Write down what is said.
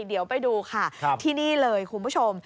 เดี๋ยวไปดูค่ะที่นี่เลยคุณผู้ชม